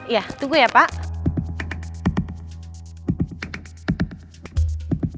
ya tunggu ya pak